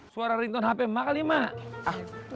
suara ringtone hp emak kali emak